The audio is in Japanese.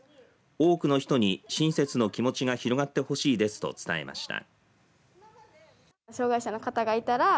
多くの人に親切の気持ちが広がってほしいですと伝えました。